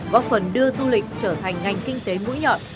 góp phần đưa du lịch trở thành ngành kinh tế mũi nhọn